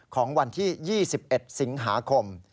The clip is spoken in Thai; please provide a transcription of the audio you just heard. ของวันที่๒๑สิงหาคม